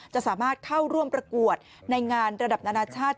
จะสามารถเข้าร่วมประกวดในงานระดับนานาชาติ